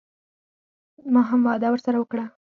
ما هم وعده ورسره وکړه.